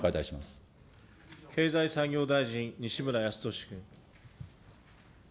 経済産業大臣、西村康稔君。